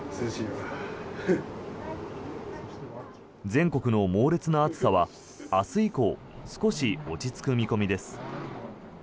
全国の猛烈な暑さは、明日以降少し落ち着く見込みです。